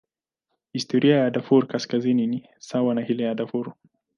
Historia ya Darfur Kaskazini ni sawa na ile ya Darfur.